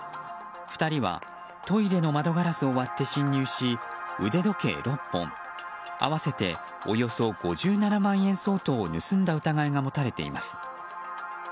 ２人はトイレの窓ガラスを割って侵入し腕時計６本合わせて５７万円相当を盗んだ疑いが持たれています。